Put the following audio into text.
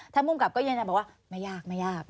ถ้ามุมกรรมก็ยังจะบอกว่าไม่ยากไม่ยาก